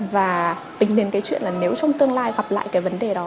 và tính đến cái chuyện là nếu trong tương lai gặp lại cái vấn đề đó